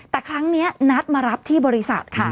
แต่ครั้งนี้นัดมารับที่บริษัทค่ะ